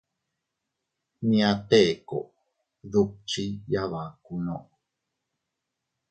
Nñia Teko dukchi yabakunno.